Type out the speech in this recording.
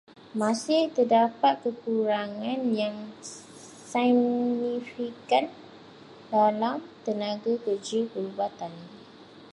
Masih terdapat kekurangan yang signifikan dalam tenaga kerja perubatan.